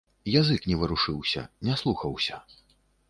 Язык не варушыўся, не слухаўся.